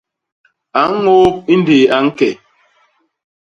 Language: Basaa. A ñôôp i ndéé a ñke.